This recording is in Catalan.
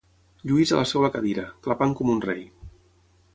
Lluís a la seva cadira, clapant com un rei.